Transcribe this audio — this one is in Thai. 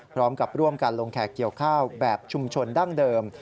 พร้อมกับร่วมกันลงแขกเกี่ยวข้าวแบบชุมชนดั้งเดิม